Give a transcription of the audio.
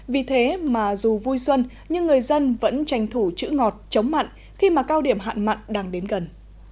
vì thế mà dù vui xuân nhưng người dân vẫn tranh thủ chữ ngọt chống mặn khi mà cao điểm hạn mặn đang đến gần